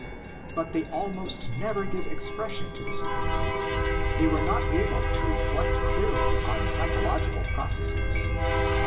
But they almost never gave expression to this opinion: they were not able to reflect clearly on psychological processes.